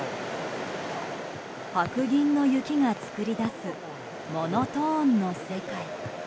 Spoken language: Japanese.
白銀の雪が作り出すモノトーンの世界。